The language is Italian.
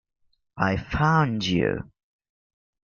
I Found You